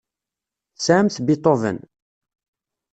Tesɛamt Beethoven?